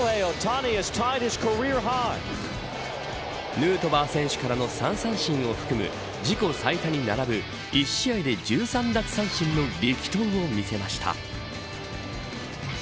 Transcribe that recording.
ヌートバー選手からの３三振を含む自己最多に並ぶ１試合で１３奪三振の力投を見せました。